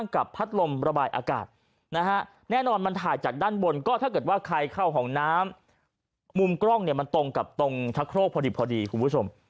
กับตรงทักโครกพอดีคุณผู้ชม